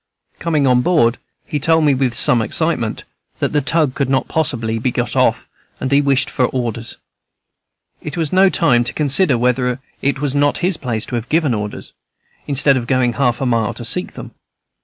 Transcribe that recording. Coming on board, he told me with some excitement that the tug could not possibly be got off, and he wished for orders. It was no time to consider whether it was not his place to have given orders, instead of going half a mile to seek them.